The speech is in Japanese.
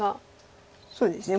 そうですね。